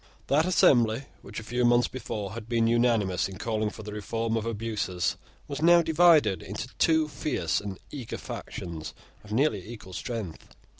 That assembly, which a few months before had been unanimous in calling for the reform of abuses, was now divided into two fierce and eager factions of nearly equal strength.